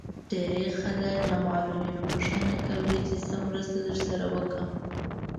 ډېری خلک له معلولينو پوښتنه کوي چې څه مرسته درسره وکړم.